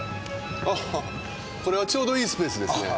ああこれはちょうどいいスペースですね。